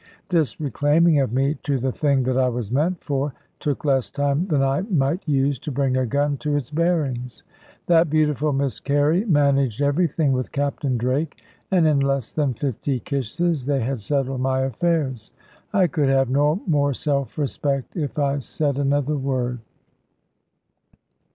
This reclaiming of me to the thing that I was meant for took less time than I might use to bring a gun to its bearings. That beautiful Miss Carey managed everything with Captain Drake, and in less than fifty kisses they had settled my affairs. I could have no more self respect, if I said another word.